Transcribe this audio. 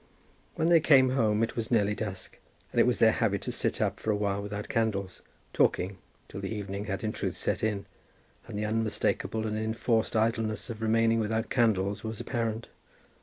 When they came home it was nearly dusk, and it was their habit to sit up for a while without candles, talking, till the evening had in truth set in and the unmistakable and enforced idleness of remaining without candles was apparent.